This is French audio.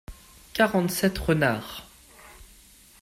Quarante-sept renards.